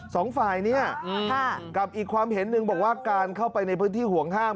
สองฝ่ายเนี่ยกับอีกความเห็นหนึ่งบอกว่าการเข้าไปในพื้นที่ห่วงห้าม